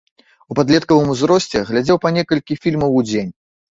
У падлеткавым узросце глядзеў па некалькі фільмаў у дзень.